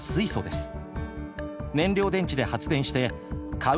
燃料電池で発電して買う